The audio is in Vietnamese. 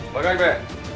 mời các anh về